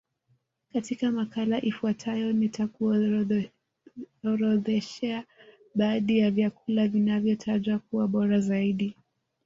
Katika makala ifuatayo nitakuorodhoshea baadhi ya vyakula vinavyotajwa kuwa bora zaidi